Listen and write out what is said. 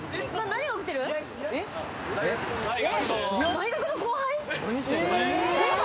大学の後輩で。